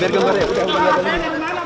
biar gambarnya biar gambarnya